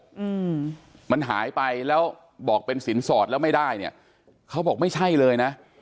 อืมมันหายไปแล้วบอกเป็นสินสอดแล้วไม่ได้เนี้ยเขาบอกไม่ใช่เลยนะ